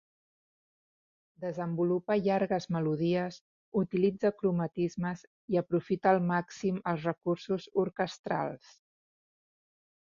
Desenvolupa llargues melodies, utilitza cromatismes i aprofita el màxim els recursos orquestrals.